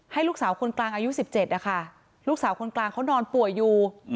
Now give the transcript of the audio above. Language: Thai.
ลูกสาวคนกลางอายุ๑๗นะคะลูกสาวคนกลางเขานอนป่วยอยู่